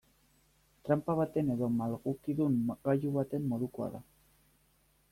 Tranpa baten edo malgukidun gailu baten modukoa da.